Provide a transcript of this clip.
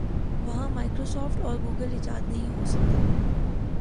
وہاں Microsoft اور Google ایجاد نہیں ہو سکتے۔